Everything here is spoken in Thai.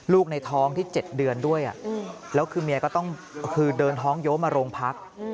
ลูกในท้องที่๗เดือนด้วยแล้วคือเมียเติ้ลท้องโย๊บมาโรงพัก